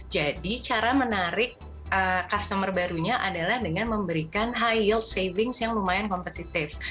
jadi cara menarik customer barunya adalah dengan memberikan high yield savings yang lumayan kompositif